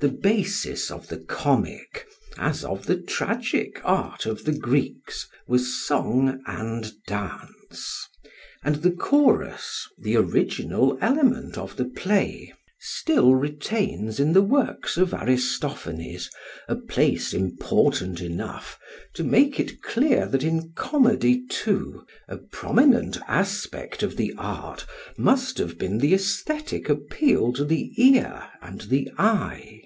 The basis of the comic as of the tragic art of the Greeks was song and dance; and the chorus, the original element of the play, still retains in the works of Aristophanes a place important enough to make it clear that in comedy, too, a prominent aspect of the art must have been the aesthetic appeal to the ear and the eye.